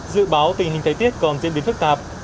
dự báo tình hình thế tiết còn diễn biến phức tạp